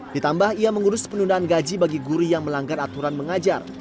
ditambah ia mengurus penundaan gaji bagi guru yang melanggar aturan mengajar